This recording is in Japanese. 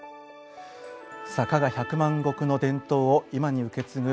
さあ加賀百万石の伝統を今に受け継ぐ石川県。